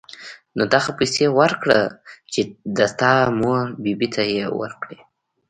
نو دغه پيسې وركه چې د تا مور بي بي ته يې وركي.